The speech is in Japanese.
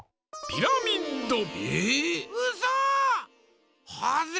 ピラミッド！